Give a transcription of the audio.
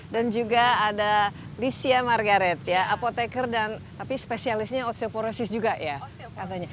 dan juga ada licia margaret apotekar dan tapi spesialisnya osteoporosis juga ya